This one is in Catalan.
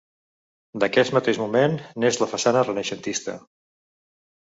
D'aquest mateix moment n'és la façana renaixentista.